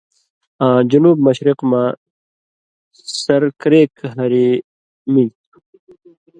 آں جُنوب مشرق مہ سر کریک ہری مِلیۡ تُھو ،